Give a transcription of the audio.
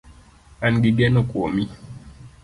An gi geno kuomi